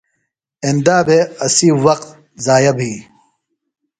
ایندا بھےۡ اسی وخت ضائع بھی۔